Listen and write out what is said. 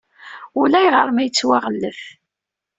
Ulayɣer ma yettwaɣellet.